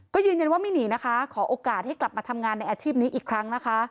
ก็ยืนยันว่าไม่หนีนะคะขอโอกาสให้กลับมาทำงานในอาชีพนี้อีกครั้งนะคะ